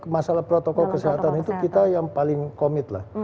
masalah protokol kesehatan itu kita yang paling komit lah